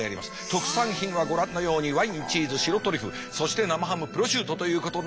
特産品はご覧のようにワインチーズ白トリュフそして生ハムプロシュートということになります。